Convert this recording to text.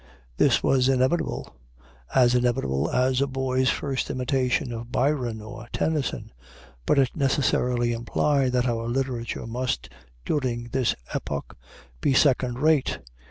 This was inevitable; as inevitable as a boy's first imitations of Byron or Tennyson. But it necessarily implied that our literature must, during this epoch, be second rate.